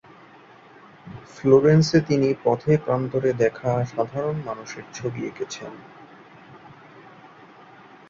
ফ্লোরেন্সে তিনি পথে প্রান্তরে দেখা সাধারণ মানুষের ছবি এঁকেছেন।